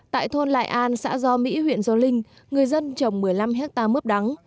tại thôn lại an xã do mỹ huyện do linh người dân trồng một mươi năm hectare mướp đắng